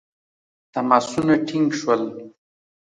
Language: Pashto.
تماسونه ټینګ شول.